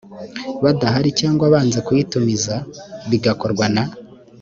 badahari cyangwa banze kuyitumiza bigakorwa na